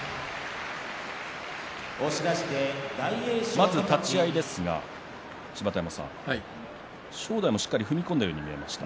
まず立ち合いですが芝田山さん正代も、しっかり踏み込んだように見えました。